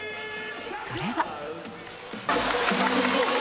それは。